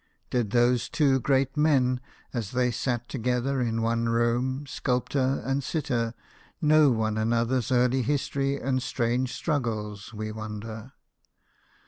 Did those two great men, as they sat together in one room, sculptor and sitter, know one another's early history and strange struggles, we wonder